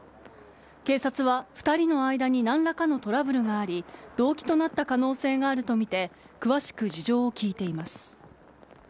警察は２人の間に何らかのトラブルがあり動機となった可能性があるとみて詳しく事情を聴いています。